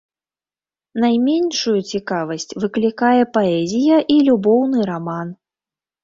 Найменшую цікавасць выклікае паэзія і любоўны раман.